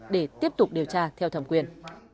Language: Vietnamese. để tiếp tục điều tra theo thẩm quyền